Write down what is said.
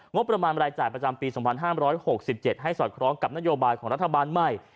งบประมาณรายจ่ายประจำปี๒๕๖๗ให้สอดคล้องกับนโยบายของรัฐบาลใหม่